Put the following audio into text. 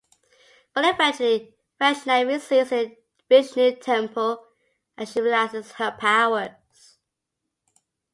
But eventually Vaishnavi sees the Vishnu temple and she realizes her powers.